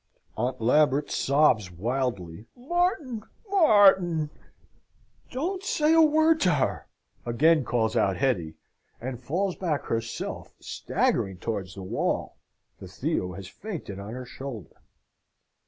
Aunt Lambert sobs, wildly, "Martin! Martin! Don't say a word to her!" again calls out Hetty, and falls back herself staggering towards the wall, for Theo has fainted on her shoulder.